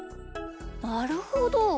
なるほど。